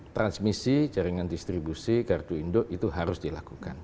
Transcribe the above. transmisi jaringan distribusi gardu induk itu harus dilakukan